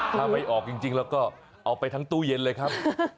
ถ้าไม่ออกจริงแล้วก็เอาไปทั้งตู้เย็นเลยครับ